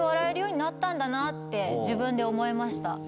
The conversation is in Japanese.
自分で思いました。